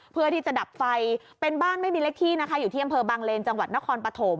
เพื่อที่จะดับไฟเป็นบ้านไม่มีเล็กที่นะคะอยู่ที่อำเภอบางเลนจังหวัดนครปฐม